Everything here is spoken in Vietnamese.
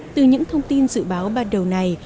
từ những thông tin dự báo ban đầu này